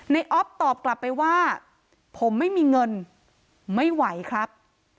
อ๊อฟตอบกลับไปว่าผมไม่มีเงินไม่ไหวครับ